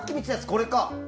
これか。